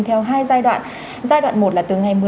theo hai giai đoạn